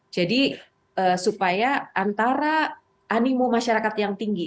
jadi supaya antara animu masyarakat yang tinggi